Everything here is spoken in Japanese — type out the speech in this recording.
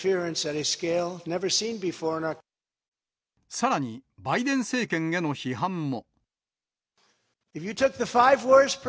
さらにバイデン政権への批判も。